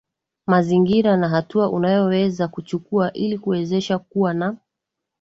mazingira na hatua unazoweza kuchukua ili kuwezesha kuwa na